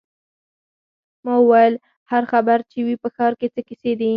ما وویل: هر خبر چې وي، په ښار کې څه کیسې دي.